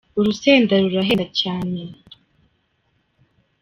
urusenda rurahenda cyane